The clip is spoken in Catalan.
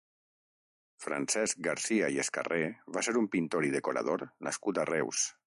Francesc Garcia i Escarré va ser un pintor i decorador nascut a Reus.